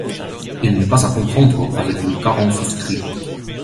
Elle n’est pas à confondre avec le caron souscrit.